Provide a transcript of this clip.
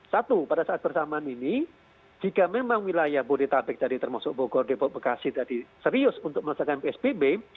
satu pada saat bersamaan ini jika memang wilayah bodetabek tadi termasuk bogor depok bekasi tadi serius untuk melaksanakan psbb